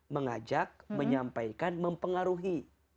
mengajak menyampaikan mempengaruhi